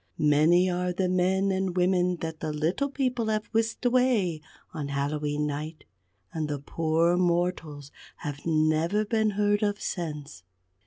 Many are the men and women that the Little People have whisked away on Hallowe'en Night; and the poor mortals have never been heard of since.